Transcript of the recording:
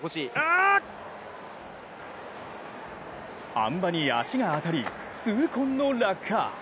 あん馬に足が当たり、痛恨の落下。